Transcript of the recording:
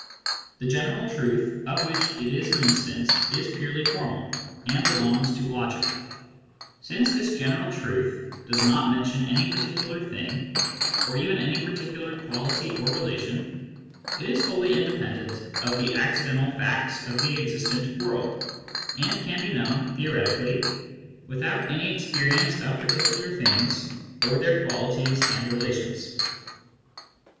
The general truth of which it is an instance is'jpurely formal^ and belongs to logic Since it' does not mention any particular thing, or even any particular quality or relation, it is wholly independent of the accidental facts of the existent world, and can be known, theoretically, without any experience of particular things or their qualities and relations.